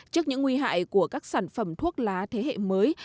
trước những nguy hại của các sản phẩm thuốc lá thế hệ mới